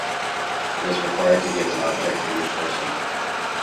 It is required to give an object to each person.